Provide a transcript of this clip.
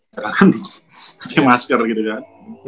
pakai masker gitu kan